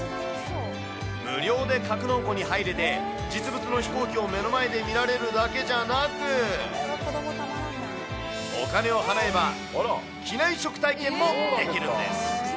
無料で格納庫に入れて、実物の飛行機を目の前で見られるだけじゃなく、お金を払えば、機内食体験もできるんです。